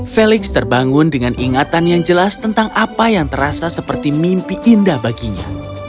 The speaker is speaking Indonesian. felix terbangun dengan ingatan yang jelas tentang apa yang terasa seperti mimpi indah baginya